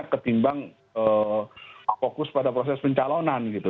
ketimbang fokus pada proses pencalonan gitu